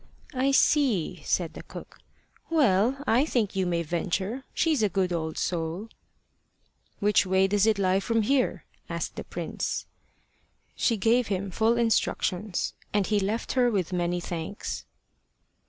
"I see," said the cook. "Well, I think you may venture. She's a good old soul." "Which way does it lie from here?" asked the prince. She gave him full instructions; and he left her with many thanks.